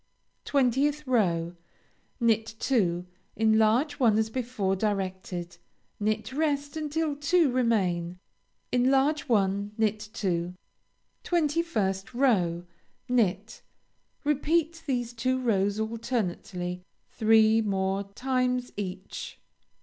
20th row Knit two; enlarge one as before directed; knit rest until two remain; enlarge one; knit two. 21st row Knit. Repeat these two rows alternately three more times each.